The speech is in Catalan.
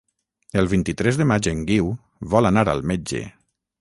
El vint-i-tres de maig en Guiu vol anar al metge.